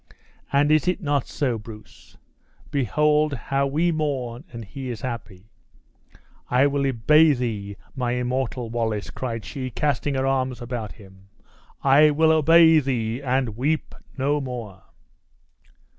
And is it not so, Bruce? Behold how we mourn and he is happy! I will obey thee, my immortal Wallace!" cried she, casting her arms about him; "I will obey thee, and weep no more!"